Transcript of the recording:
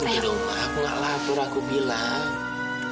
aku tidak lapar aku bilang